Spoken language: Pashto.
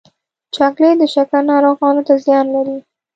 چاکلېټ د شکر ناروغانو ته زیان لري.